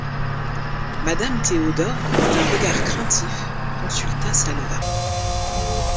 Madame Théodore, d'un regard craintif, consulta Salvat.